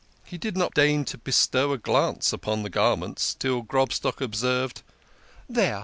He did not deign to bestow a glance upon the garments till Grobstock ob served :" There